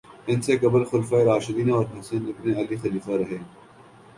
ان سے قبل خلفائے راشدین اور حسن ابن علی خلیفہ رہے